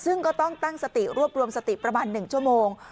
ซึ่งก็ต้องตั้งสติรวบรวมสติประมาณ๑ชั่วโมง